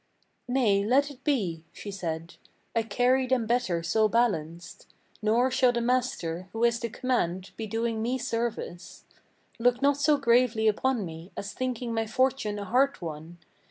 "Nay, let it be!" she said: "I carry them better so balanced. Nor shall the master, who is to command, be doing me service. Look not so gravely upon me, as thinking my fortune a hard one.